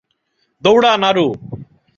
দৌড়া, নারু।